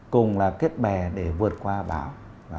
cùng là kết bè để vượt qua bão